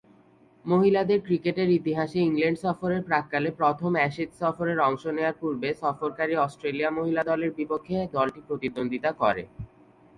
মহিলাদের ক্রিকেটের ইতিহাসে ইংল্যান্ড সফরের প্রাক্কালে প্রথম অ্যাশেজ সফরের অংশ নেয়ার পূর্বে সফরকারী অস্ট্রেলিয়া মহিলা দলের বিপক্ষে দলটি প্রতিদ্বন্দ্বিতা করে।